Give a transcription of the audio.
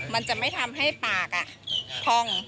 มันจะไม่ทำให้ปากพอง